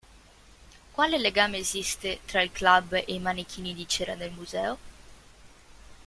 Quale legame esiste tra il club e i manichini di cera del museo?